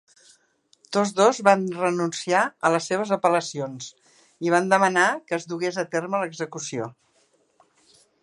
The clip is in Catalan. Tots dos van renunciar a les seves apel·lacions i van demanar que es dugués a terme l'execució.